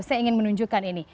saya ingin menunjukkan ini